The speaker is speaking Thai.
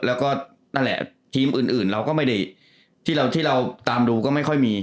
แล้วก็นั่นแหละทีมอื่นที่เราตามดูก็ไม่ค่อยมี